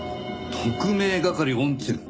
「特命係御中」。